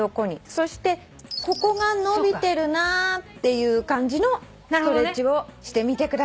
そしてここが伸びてるなっていう感じのストレッチをしてみてください。